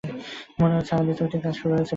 মনে হচ্ছে আমাদের চুক্তির কাজ শুরু হয়েছে, বব।